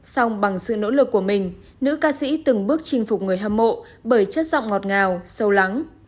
xong bằng sự nỗ lực của mình nữ ca sĩ từng bước chinh phục người hâm mộ bởi chất giọng ngọt ngào sâu lắng